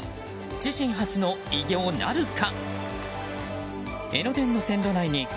自身初の偉業なるか？